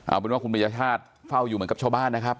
เอาเป็นว่าคุณปริญญาชาติเฝ้าอยู่เหมือนกับชาวบ้านนะครับ